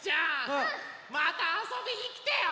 またあそびにきてよ！